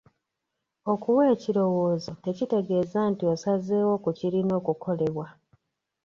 Okuwa ekirowoozo tekitegeeza nti osazeewo ku kirina okukolebwa.